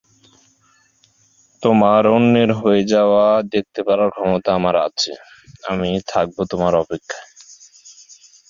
লীগ পর্যায়ের ক্রম থেকেই তৃতীয় স্থানকে বিবেচনা করা হবে।